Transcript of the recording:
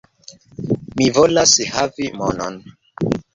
Mi volas havi monon.